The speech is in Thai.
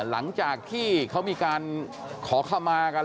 หลังจากที่เขามีการขอเข้ามากัน